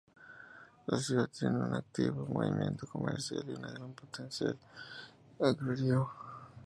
La ciudad tiene un activo movimiento comercial, y un gran potencial agrario.